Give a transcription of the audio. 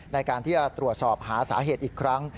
ในการที่จะตรวจสอบหาสาเหตุอีกครั้ง